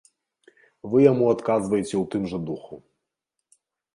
Вы яму адказвайце ў тым жа духу.